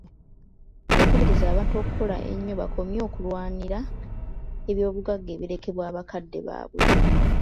Yakubirizza abantu okukola ennyo bakomye okulwanira eby'obugagga ebirekebwa bakadde baabwe.